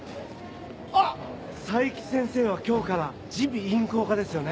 あっ冴木先生は今日から耳鼻咽喉科ですよね？